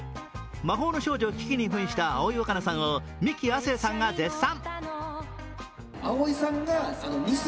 魔法の少女・キキに扮した葵わかなさんをミキ・亜生さんが絶讃。